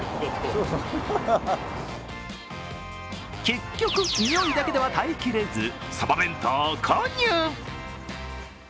結局、匂いだけでは耐え切れず、サバ弁当を購入。